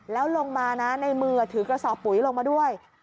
แล้วลงมานะในมือถือกระสอบปุ๋ยลงมาด้วย